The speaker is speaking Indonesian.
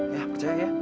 ya percaya ya